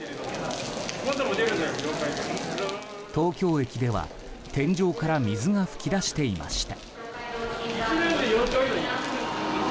東京駅では天井から水が噴き出していました。